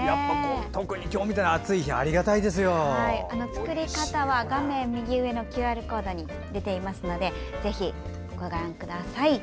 とくに今日みたいな暑い日は作り方は画面右上のＱＲコードに出ていますのでぜひご覧ください。